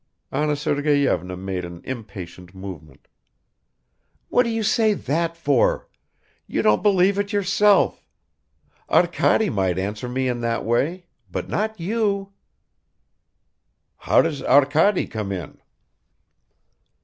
Anna Sergeyevna made an impatient movement. "What do you say that for? You don't believe it yourself. Arkady might answer me in that way, but not you." "How does Arkady come in?"